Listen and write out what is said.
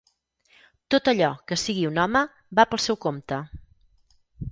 Tot allò que sigui un home, va pel seu compte.